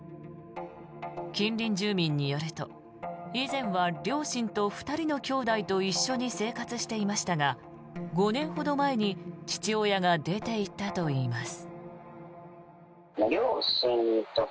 近隣住民によると以前は両親と２人の兄弟と一緒に生活していましたが５年ほど前に父親が出ていったといいます。